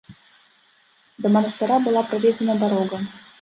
Да манастыра была праведзена дарога.